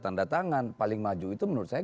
tanda tangan paling maju itu menurut saya